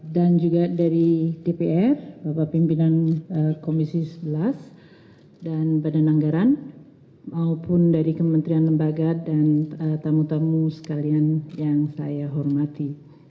dan juga dari tpr bapak pimpinan komisi sebelas dan badan anggaran maupun dari kementerian lembaga dan tamu tamu sekalian yang saya hormati